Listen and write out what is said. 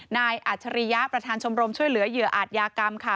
อัจฉริยะประธานชมรมช่วยเหลือเหยื่ออาจยากรรมค่ะ